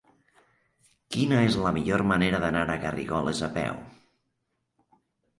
Quina és la millor manera d'anar a Garrigoles a peu?